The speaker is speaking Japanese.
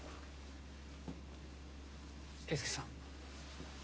・圭介さん。